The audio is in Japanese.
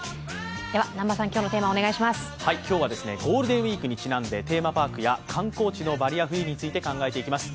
今日はゴールデンウイークにちなんでテーマパークや観光地のバリアフリーについて考えていきます。